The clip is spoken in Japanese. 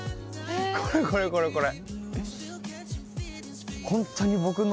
これこれこれこれ！